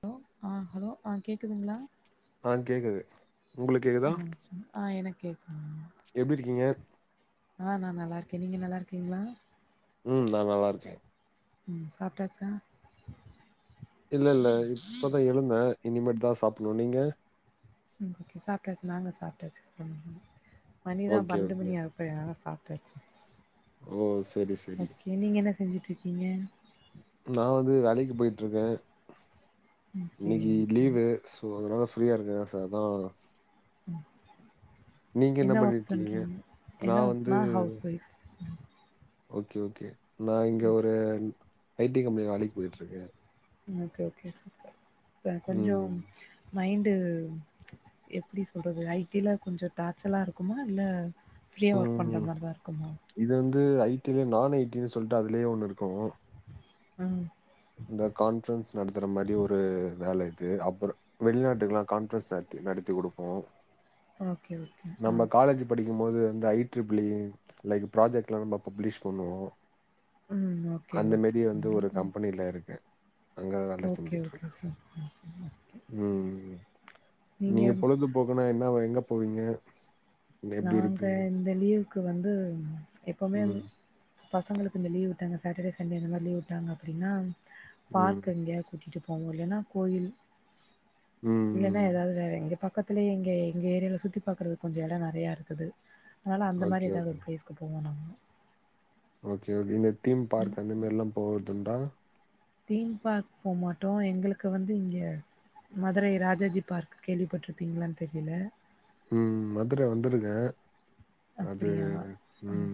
Hello ஆ hello ஆ கேக்குதுங்ளா அ கேக்குது உங்களுக்கு கேக்குதா ஆ ஆ என கேக்கு எப்டி இருக்கீங்க ஆ நா நல்லா இருக்கே நீங்க நல்லா இருக்கீங்ளா உம் நா நல்லா இருக்கே உம் சாப்ட்டாச்சா இனி மேட்டு தா சாப்டணு நீங்க ம் ஓகே சாப்டாச்சு நாங்க சாப்டாச்சு ம் மணிதா ஓகே பண்ணென்டு ஓகே மணியா ஆகப்போதே அதனால சாப்ட ஆச்சு ஓ செரி செரி ஓகே நீங்க என்ன செஞ்சு இருக்கீங்க நா வந்து வேலைக்கு போயிட்டு இருக்கே ஓகே இன்னிக்கு ஓகே. லீவு சோ அதனால ஃப்ரீயா இருக்கங்க சர் அதா ம் நீங்க என்ன ஒர்க் பண்ணிட்ருக்கீங்க பண்றிங்க என்ன ஒர்க் நா ஹவுஸ் ஒய்ஃப் ஓகே ஓகே நா இங்க ஒரே ஐ டி கம்பெனி வேலைக்கு போயிட்டு இருக்கே ஓகே ஓகே சார் இப்ப கொஞ்சோ ம் மைண்டு எப்டி சொல்றது ஐ டி லா கொஞ்சோ டார்ச்சலா இருக்குமா இல்ல ஃப்ரீயா ஒர்க் பண்ற ம் மாதிரிதா இருக்குமோ இது வந்து ஐ டி லயே நான் ஐ டி னு சொல்ட்டு அதுலயே ஒண்ணு இருக்கு உம் இந்த கான்ஃபரன்ஸ் நடத்ற மாரி ஒரு வேல இது அப்றோ வெளிநாட்டுக்கலா கான்ஃபரன்ஸ் நடத்தி நடத்தி குடுப்போ ஓகே ஓகே ஆ நம்ம காலேஜ் படிக்கு போது இந்த ஐ ட்ரிபிளி லைக் ப்ராஜெக்ட் எல்லா நம்ம பப்ளிஷ் பண்ணுவோ ம் ஓகே அந்த மாரி ஓகேங்க வந்து ஒரு கம்பெனில இருக்கே அங்க வேல ஓகே செஞ்சுட்டு ஓகே இருக்கே சூப்பர் உம் நீங்க பொழுது போக்குனா என்ன எங்கப் போவிங்க நாங்க இந்த லீவ் க்கு வந்து எப்போமே ம் பசங்களுக்கு இந்த லீவ் விட்டாங்க சாட்டடே சண்டே இந்த மாரி லீவ் விட்டாங்க அப்டின்னா பார்க் ம் எங்கேயாவது கூட்டிட்டு போ இப்போ அவங்க இல்லைனா கோயில் இல்லன்னா ம் ஏதாவது வேற இங்க பக்கத் துலயே எங்க எங்க ஏரியால சுத்தி பாக்குறதுக்கு கொஞ்சோ எடோ ந நெறையா இருக்குது அதனால அந்த மாரி ஓகே ஏதாவது ஓகே ஒரு பிளேஸ்க்கு போவோ நாங்க ஓகே ஓகே இங்க தீம் பார்க் அந்த மாரிலாம் போகறதுன்டா தீம் பார்க் போமாட்டோ எங்களுக்கு வந்து இங்க மதுரை ராஜாஜி பார்க் கேள்விப்பட்டிருப்பீங்களான் தெரியல ம் மதுர வந்துருக்க அப்டியா ம்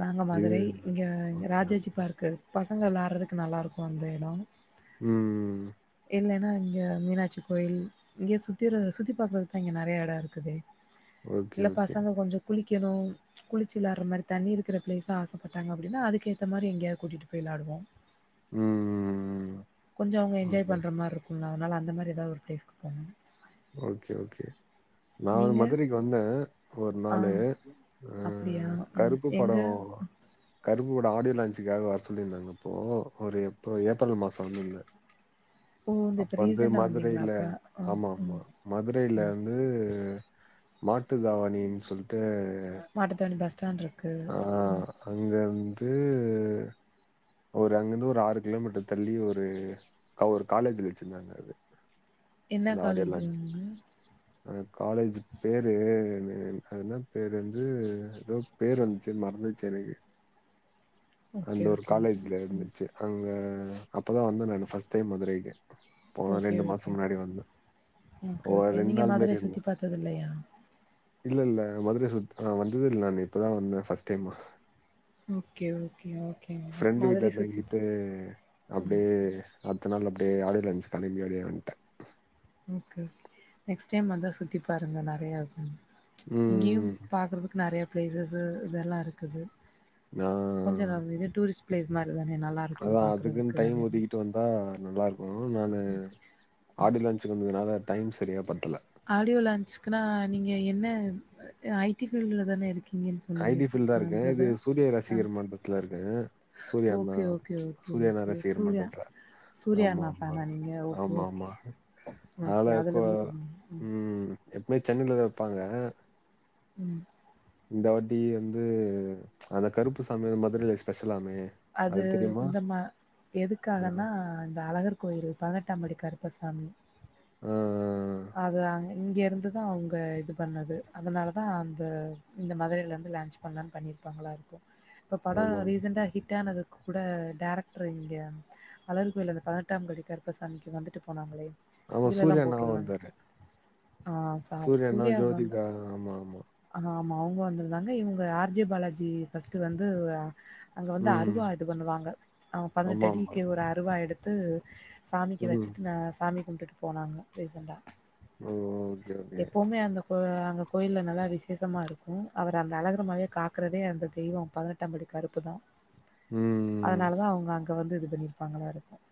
நாங்க இது மதுரை இங்க இங்க ஓகே ராஜாஜி பார்க்கு பசங்க வெளாடுறதுக்கு நல்லா இருக்கு அந்த எடோ ம் இல்லன்னா இங்க மீனாட்சி கோயில் இங்க சுத்தி சுத்தி பாக்குறதுக்கெல்லா இங்க நெறையா எடோ இருக்குதே ஓகே, இல்ல ஓகே. பசங்க கொஞ்சோ குளிக் க்கனு குளிச்சு விளாடுற மாரி தண்ணி இருக்குற பிளேஸ்ஸா ஆசப்பட்டாங்க அப்டின்னா அதுக்க ஏத்த மாரி எங்கேயாவது கூட்டிட்டு போய் விளயாடுவோ ம் ம் ம் கொஞ்சோ அவங்க என்ஜாய் பண்ற மாரி இருக்கும்லா அதனால அந்த மாரி ஏதாவது ஒரு பிளேஸ்க்கு போனு ஓகே ஓகே நா நீங்க? மதுரைக்கு வந்த ஒரு ஆ. நாளு அ அப்டியா? ம். கருப்பு எங்க? படோ கருப்பு படோ ஆடியோ லான்ச்சுக்காக வர சொல்லியிருந்தாங்க இப்போ ஒரு எப்போ ஏப்ரல் மாசோ வந்துருந்த ஓ இந்த இப்ப ரீசண்டா வந்தீங்களா அப்ப ம் ஆமா, ஆமா. ம் மதுரையில வந்து மாட்டு தாவணின் சொல்ட்டு மாட்டு தாவணி பஸ் ஸ்டேன்டுர் ஆ அங்க வந் து ஒரு அங்கிருந்து ஒரு ஆறு கிலோமீட்டர் தள்ளி ஒரு ஒரு காலேஜ்ல வெச்சுருந்தாங்க அது என்ன அந்த ஆடியோ காலேஜ் லான்ச். அங்க அ காலேஜ் பேரு ஆனா பேரு வந்து ரோ பேர் வந்துச்சு மறந்துச்சு எனக்கு அந்த ஓகே, ஒரு ஓகே, ஓகே. காலேஜ்ல இருந்துச்சு அங்க அப்பதா வந்த நானு ஃபஸ்ட் டைம் மதுரைக்கு போன ஓகே ரெண்டு மாசோ ஓகே முன்னாடி வந்தே ஓகே ஓகே ஒரு ஓகே ரெண்டு நீங்க நாள் மாரி மதுரை இருந்தே சுத்தி பாத்தது இல்லையா இல்ல இல்ல மதுரை சுத் ஆ வந்ததே இல்ல நானு இப்பதா வந்த ஃபஸ்ட் டைமா ஓகே ஓகே ஓகேங்க ஃப்ரெண்டு வீட்ல மதுரை சுத்தி ம் அதுனால அப்டியே ஆடியோ லான்சுக்கு கெழம்பி அப்டியே வன்ட்ட ஓகே ஓகே நெக்ஸ்ட் டைம் வந்தா சுத்தி பாருங்க நறையா ம் இங்கியும் ம் பாக்குறதுக்கு நறையப் பிளேஸஸ்ஸு இதெல்லா இருக்குது நா கொஞ்சோ ந இது டூரிஸ் பிளேஸ் மார் அதா அதுக்குன் டைம் ஒதுக்கிட்டு வந்தா நல்லாருக் கு நானு ஆடியோ லான்ச்சுக்கு வந்ததுனால டைம் செரியா பத் ஆடியோ லாஞ்சுக்குனா நீங்க என்ன ஐட்டி பீல்டுலதான இருக் ஐட்டி பீல்தா இருக்க இது சூரியா ஆ. ரசிகர் மன்றத்துல இருக்க ஓகே ஓகே ஓகே ஓகே ரசிகர் சூர்யா மன்றத்துல சூர்யா ஆமா அண்ணா ஆமா ஃபேனா நீங்க ஓகே ஆமா ஆமா ஓகே அதுல இருந்து ம் எப்பயு சென்னையிலதா வெப்பாங்க ம் இந்த வாட்டி வந்து அந்த கருப்பு சாமி மதுரைல வெச் அது இந்த மா ஆஹ், எதுக்காகன்னா இந்த அழகர் கோயில் பதினெட்டாம் படி கருப்பசாமி அ அ அதாங்க இங்கேருந்து தா அவங்க இது பண்ணது அதனால தா அந்த இந்த மதுரையிலேருந்து லான்ச் பண்ணலான்னு பண்ணியிருப்பாங்களா இருக்கு இந்த படம் ஆமா ரீசன்டா ஹிட் ஆனது கூட டேரக்டரு இங்கே அழகர் கோயில அந்த பதினெட்டாம் படி கருப்பசாமிக்கு வந்துட்டு போனாங்களே ஆமா சூரிய இதுலலாம் அண்ணாவ போட்டிருந்தாங்க. வந்தாரு ஆ சா சூர்யா அண்ணா ஜோதிகா ஆமா ஆமா ஆ அவங்க வந்திருந்தாங்க இவங்க ஆர் ஜே பாலாஜி ஃபர்ஸ்ட்ட் வந்து அ அங்க வந்து ம் அருவா இது பண்ணுவாங்க அவங்க ஆமா பதினெட்டு ஆமா அடிக்கு ஒரு அருவா எடுத் ம் சாமிக்கு ம் வச்சிட்டு ந சாமி வந்துட்டு போனாங்க ரீசண்டா ஓகே ஓகே எப்பவுமே அந்த அந்த கோயிலல நல்லா விசேஷமா இருக்கும் அவர் அந்த அழகுற மலையை காக்குறதே அந்த தெய்வம் பதினெட்டாம்படி கருப்பு தான் ம் அதனாலதான் அவங்க அங் இங்க வந்து இது பண்ணியிருக்காங்களா இருக்கும்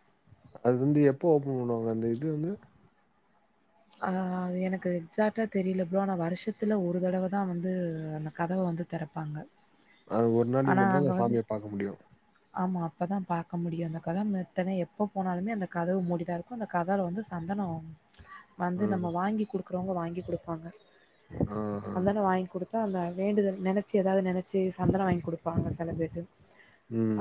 அது வந்து எப்ப ஓபன் பண்ணுவாங்க அந்த இது வந்து ஆஹ்து எனக்கு எக்சாடா தெரியல ப்ரோ ஆனா வருஷத்துல ஒரு தடவைதான் வந்து அந்த கதவ வந்து திறப்பாங்க அந்த ஒரு நாளைக்கு ஆனா மட்டும் தான் அங்க அந்த வந்து சாமியை பாக்க முடியும் ஆமா அப்பதா பாக்க முடியும் அந்த கதவு எப்ப போனாலுமே அந்த கதவு மூடிதா இருக்கும் அந்த கதவுல வந்து சந்தனம் வந்து ம். நம்ம வாங்கி குடு ருக்கறவங்க வாங்கி கொடுப்பாங்க ஆ. சந்தனம் வாங்கி் கொடுத்து அந்த வேண்டுதல நெனச்சி ஏதாவது நெனச்சி சந்தன வாங்கி கொடுப்பாங்க செலப்பேரு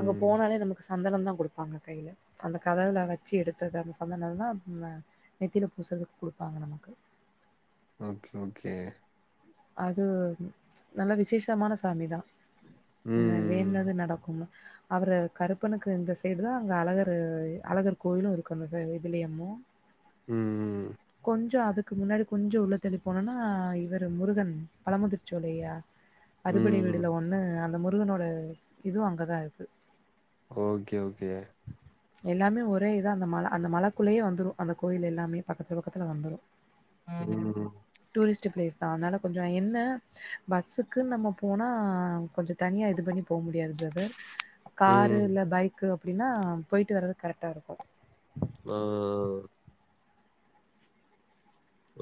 அங்க போனாலே நமக்கு சந்தனம் தான் கொடுப்பாங்க கையில அந்த கதவுல வச்சு எடுத்தது அந்த சந்தனம் தான் நெத்தியில பூசுறதுக்கு கொடுப்பாங்க நமக்கு ஓகே ஓகே அது நல்ல விசேஷமான சாமி தான் ம். வேண்டுதனே நடக்கணும் அவற கருப்பனுக்கு இந்த செய்யணும் தான் அங்க அழகர் அழகர் கோயிலும் இருக்கும் அந்த இதுலயம்ம உம் கொஞ்சம் அதுக்கு முன்னாடி கொஞ்சம் உள்ள தள்ளி போனோம்னா இவர் முருகன் பழமுதிர்ச்சோலையா அறுபடை வீடூல ம். ஒண்ணு அந் முருகனோட இதுவு அங்கதா இருக்கு ஓகே ஓகே எல்லாமே ஒரே அந்த மல அந்த மலக்குள்ளயே வந்துரு அந்த கோயில் எல்லாமே பக்கத்து பக்கத்துல வந்துரு ம் பிளேஸ் அதனால கொஞ்ச என்ன பஸ்ஸுக்கு நம்ம போனா கொஞ்ச தனியா இது பண்ணி போ முடியாது ப்ரதர் காரு ம். இல்ல பைக்கு அப்டினா போய்ட்டு வர்றதுக்கு கரெக்டா இருக்கு ஆஆ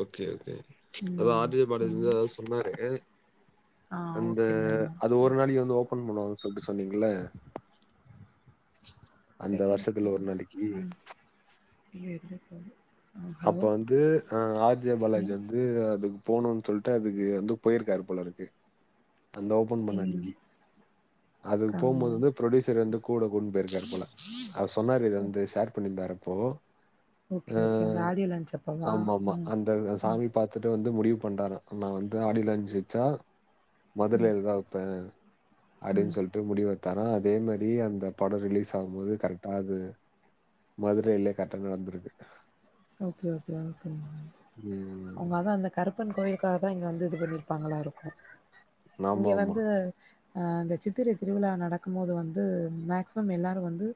ஓகே ஓகே அத ம். ஆர் ஜே பாலாஜி வந்து ம். அத சொன்னாரு ஆ அந்த ஓகே பிரதர். அது ஒரு நாளைக்கு வந்து ஒ போன் பண்ணுவாங்கன் சொல்லிட்டு சொன்னிங்களே அந்த செகண்ட்ஸ் வர்ஷத்துல ஒரு தரணும். நாளைக்கி ம். [unintelligible] அப்ப ஹலோ? வந்து அ ஆர் ஜே ஹலோ? பாலாஜி வந்து அது போணுன் சொல்ட்டு அதுக்கு வந்து போயிருக்காரு போலருக்கு ந்த ஓபன் பண்ண ம். அதுக் கா போம்போது வந்து ப்ரொடியூசர் வந்து கூட கூட்னு போயிருக்கார் போல அவரு சொன்னாரு இத வந்து ஷேர் பண்ணியிருங்க ப்போ ஓகே ஓகே நா ஆமா ஆமா அந்த அ சாமி பாத்துட்டு வந்து இந்து முடிவு பண்ற நா வந்து ஆடியில அஞ்சுச்சா மதுரேல தா வெப்பே அப்டின்னு ம். சொல்ட்டு முடி வச் தரா அதே மாரி அந்த பட ரிலீஸ் ஆவும் போது கரெக்டாது மதுரயிலே கரெக்டா நடந்திருக்கு ஓகே ஓகே ஓகே ம். உங்க தா அந்த கருப்பன் கோயிலுக்காக தா இங்க வந்துது பண்ணிருப்பாங்களா இருக்கு இங்க ஆமாமா. வந்து அ இந்த சித்திரை திருவிழா நடக்கும் போது வந்து மேக்சிமம் எல்லாரு வந்து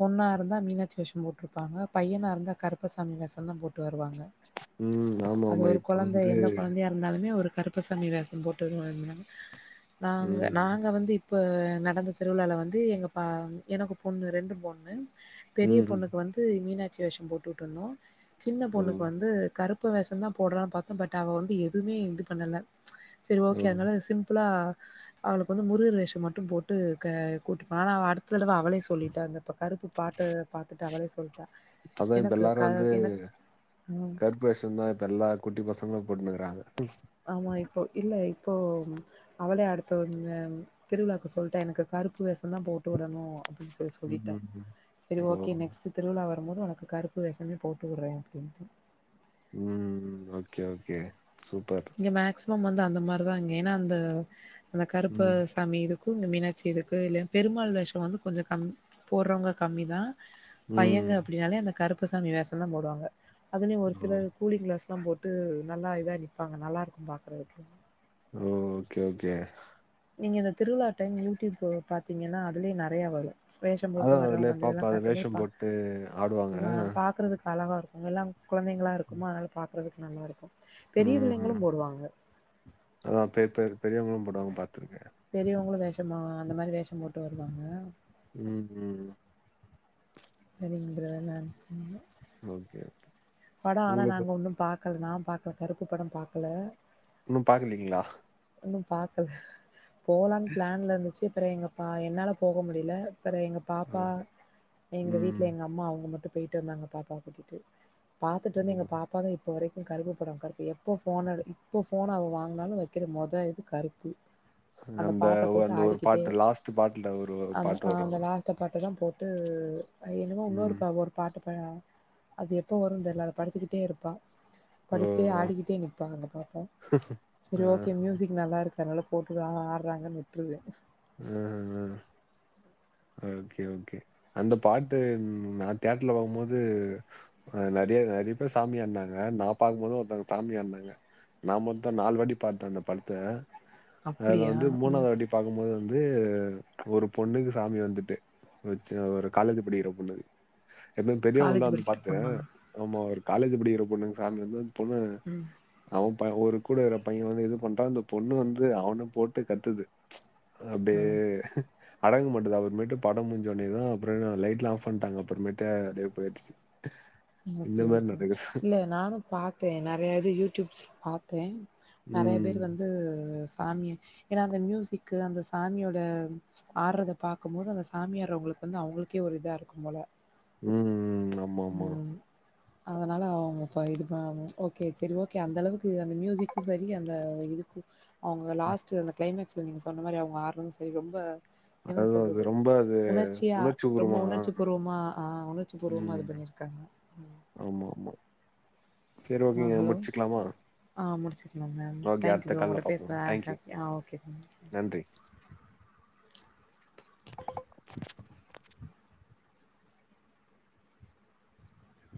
பொண்ணா இருந்தா மீனாட்சி வேஷம் போட்டிருப்பாங்க பையனா இருந்தா கருப் ப்பு சாமி வேசம் தா போட்டுவர ருவாங்க ம். அது ஆமாமா. ஒரு இப்போ கொழந்த வந்து எந்த கொழந்தையா இருந்தாலுமே ஒரு கருப்புசாமி வேசம் போட்டது வந்தாங்க நாங்க ம். நாங்க வந்து இப் இப்போ நடந்த திருவிழால வந்து எங்க பா எனக்கு பொண்ணு ரெண்டு பொண்ணு பெரிய ம். பொண்ணுக்கு வந்து மீனாச் சி வேஷம் போட்டுட் உட்ருந்தோ சின்ன பொண்ணுக்கு ம். வந்து கருப் பு வேஷந்தா போடுலான்னு பாத்தோ பட் அவ வந்து எதுமே இது பண்ணல சேர் ஓகே ம். அதனால இத சிம்புளா அவளுக்கு வந்து முருகர் வேஷோ மட்டு போட்டு க கூட்டுபா ஆனா அவ அடுத்த தடவ அவளே சொல்லிட்டா அந்த இப்போ கருப்பு பாட்டு பாத்துட்டு அவளேஸ் அதா இப்ப எல்லாரு அந் து ம் கருப்பு வேஷோந்தா இப்ப எல்லா குட்டி பசங்களு ளு போட்னு இருக்குறாங்க ஆமா இப்போ இல்ல இப்போ அவளே அடுத்த திருவிழாவுக்கு சொல்லிட்டா எனக்கு கருப்பு வேஷந்தா போட்டு விடணு அப்டின் சொல்லி சொல்லிட்டா ம். சேரி ஓ. ஓகே நெக்ஸ்ட் திருவிழா வர் போது உனக்கு கருப்பு வேஷமே போட்டு உறே அப்டின்ட்டு ம் ஓகே ஓகே சூப்பர் ஆமா வந்து அந்த மாரிதா அங்க ஏன்னா அந்த அந்த கருப்பு ம். சாமி இது கூங்கு மீனாச்சி இதுக்கு இல்ல பெருமாள் வேஷோ வந்து கொஞ்சோ கம் போடுறவங்க கம்மிதா ம். பையங்க அப்டின்னாலே அந்த கருப் கருப்புசாமி வேஷந்தா போடுவாங்க அதனே ஒரு ஓ. சிலர் கூலிங் கிளாஸ் எல்லா போட்டு நல்லா இதா இல்லி இப்பாங்க நல்லா இருக்கும் பாக்குறதுக்கு ஓ ஓகே ஓகே நீங்க இந்த திருவிழா டைம் யூடியூப்பு பாத்தீங்கன்னா அதுலயே நறையா வரு வேஷம் போட்டு அதா வர்றவங்க அதுலயே அந்த பாப்ப இதெல்லா அது காட்டும்போது வேஷம் பா போட்டு ஆடுவாங்க அழகாக இருக்குங் எல்லா கொழந்தைங்களாக இருக்குமா அதனால பாக்குறதுக்கு நல்லாருக்கு உஹம் அதான் பெ பெ பெரியவங்களும் போடுவாங்க பாத்துருக்கேன் பெரியவங்களும் வேஷமா அந்த மாதிரி வேஷம் போட்டு வருவாங்க உம் உம் அப்படின்றத நினைச்சேன் ஓகே ஓகே படம் ஆனா நாங்க ஒன்னும் பாக் கள அது நான் பார்க்கல கருப்பு படம் பார்க்கல இன்னும் பாக்கலீங்களா இன்னும் பாக்கல போலான்னு பிளான்ல இருந்துச்சு செரிங்கப்பா என்னால் போக முடியல அப்புறம் எங்கள் அ. பாப்பா எங்கள் ம். வீட்டில் எங்கள் அம்மா அவுங்க மட்டும் போயிட்டு வந்தாங்க பாப்பாவ கூட்டிட்டு பாத்துட்டு வந்து எங்க பாப்ப தான் இப்போ வரைக்கும் கருப்புப்படம் கருப்பு எப்போ போ இப்போ போன் அவ வாங்கினாலும் வக் மொதா இது கருப்பு அந்த பாட்ட போட்டு அந்த ஒரு ஆடிக்கிட்டே பாட்டு லாஸ்ட் பாட்டுல ஒரு பாட்டு வரும் அப்போ தான் போட்டு என்னமோ இன்னொரு ம். பா ஒரு பாட்டு இப்ப அது எப்போ வரும் தெரியில அதை படிச்சிக்கிட்டே இருப்பான் ஓ! படிச்சிட்டே ஆடிக்கிட்டே நிற்பா அங்க பாப்பா அ, அ, செரிஓகே மியூசிக் நல்லா அதனால போட்டு ஆடுறாங்கனு விட்டுருவேன் உம் உம் உம் ஓகே ஓகே அந்த பாட்டு நான் தியேட்டர்ல பார்க்கும் போது நிறைய நிறைய பேர் சாமி ஆடுனாங்க இருந்தாங்க நான் பார்க்கும்போது ஒருத்தவங்க சாமி ஆடுநாங்க நான் மொத்தம் நாலு வாட்டி பார்த்தேன் அந்த படத்தை அதுல அப்டியா வந்து ஆ மூணாவது வாட்டி பாார்கும்போது வ வந்து ஒரு பொண்ணுக்கு சாமி வந்துட்டு வச்சு ஒரு காலேஜ் படிக்கிற பொண்ணுக்கு எப்பவு பெரியவங்ள காலேஜ் தா வந்து படிக்கிற பாத்தே பொண்ணா அம்மா மாரி காலேஜ் படிக்கிற பொண்ணுக்கு சாமி வந்து அப்பண்ணு ம் அவ ஒரு கூட வர பையன் வந்து இது பண்ணிட்டான் அந்த பொண்ணு வந்து அவன போட்டு கத்துது அப்டியே ம் அடங்க மட்ட அப்றமேட்டு பட முஞ்ச ஒனேவு அப்றோ லைட்ல ஆஃப் பண்டாங்க அப்றோமேத போயிடுச்சு இந்த ஓகே மாதிரி ஓகே நடக்குது இல்ல நானு பாத்தே நெறய இது யூடியூப்ஸ் பாத்தே நெறய பேர் ம் வந்து சாமிய ஏனா அந்த மியூசிக்கு அந்த சாமியோட ஆடுறத பாக்கு போது அந்த சாமி ஆடுறவங்களுக்கு வந்து அவுங்களுக்கே ஒரு இதா இருக்கும் போல உம் ம் ம் ஆமா ஆமா ம். அதனால அவுங்க இப்ப இது பும் ஓகே சரி ஓகே அந்த அளவுக்கு அந்த மியூசிக்கும் சரி அந்த இதுக்கு அவுங்க லாஸ்ட்டு அந்த கிளைமாக்ஸில் நீங்க சொன்ன மாரி அவுங்க ஆட்றது சரி ரொம்ப என்ன அதுதான் அது சொல்றது ரொம்ப அது உணர்ச்சியா உணர்ச்சி ரொம்ப பூர்வமா உணர்ச்சி பூர்வமா ஆ உணர்ச்சி பூர்வமா ம் க்க [inaudible] ஆமா ஆமா சரி ஓகேங்க முடிச்சுக்கலாமா மேம் ஓகே தேங்க் அடுத்த யூ கால்ல உங்ககிட்ட பார்ப்போம் பேசுன ஹி தேங்க்யூ ஆ ஹேப்பி ஓகே நன்றி [inaudible]